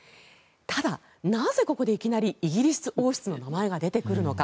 ただ、なぜここでいきなりイギリス王室の名前が出てくるのか